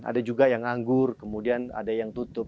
ada juga yang nganggur kemudian ada yang tutup